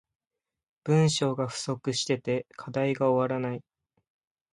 文章が不足してて課題が終わらない